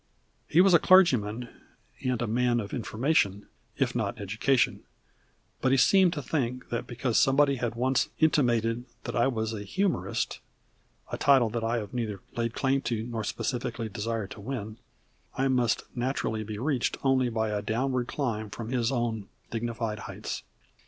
He was a clergyman and a man of information, if not education; but he seemed to think that because somebody had once intimated that I was a "humorist" (a title that I have neither laid claim to, nor specially desired to win) I must naturally be reached only by a downward climb from his own dignified heights.